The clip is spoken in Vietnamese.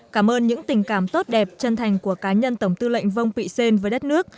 cảm ơn những tình cảm tốt đẹp chân thành của cá nhân tổng tư lệnh vông pị xên với đất nước